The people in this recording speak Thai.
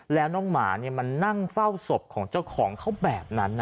แล้วน้องหมามันนั่งเฝ้าศพของเจ้าของเขาแบบนั้น